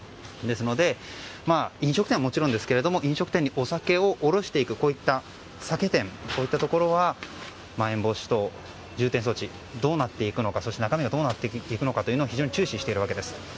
ですので、飲食店はもちろん飲食店にお酒を卸していくこういった酒店はまん延防止等重点措置どうなっていくのかそして中身がどうなっていくのか非常に注視しているわけです。